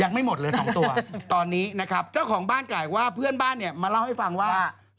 ไม่หมดเลยสองตัวตอนนี้นะครับเจ้าของบ้านกล่าวอีกว่าเพื่อนบ้านเนี่ยมาเล่าให้ฟังว่า